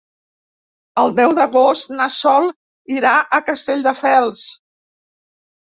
El deu d'agost na Sol irà a Castelldefels.